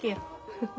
フフ。